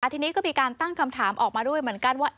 ทีนี้ก็มีการตั้งคำถามออกมาด้วยเหมือนกันว่า